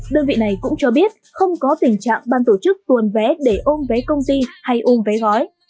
đơn vị này cũng cho biết không có tình trạng ban tổ chức tuồn vé để ôm vé công ty hay ôm vé gói